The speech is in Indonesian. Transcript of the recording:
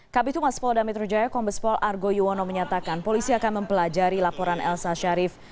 khabitu mas pol damitrujaya kombes pol argo yuwono menyatakan polisi akan mempelajari laporan elza sharif